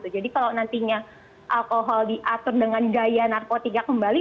jadi kalau nantinya alkohol diatur dengan gaya narkotika kembali